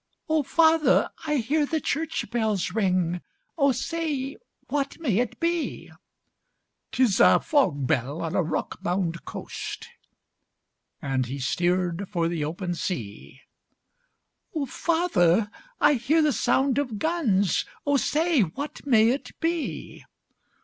"O father! I hear the church bells ring, O say, what may it be?" "'Tis a fog bell on a rock bound coast!" And he steered for the open sea. "O father! I hear the sound of guns, O say, what may it be?"